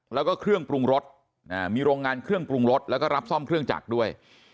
แล้วก็เครื่องปรุงรสมีโรงงานเครื่องปรุงรสแล้วก็รับซ่อมเครื่องจักรด้วย